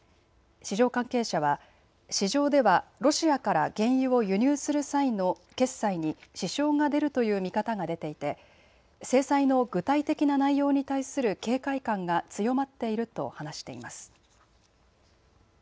市場関係者は市場ではロシアから原油を輸入する際の決済に支障が出るという見方が出ていて制裁の具体的な内容に対する警戒感が強まっていると話しています。